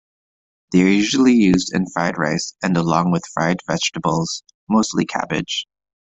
They are usually used in fried rice and along with fried vegetables, mostly cabbage.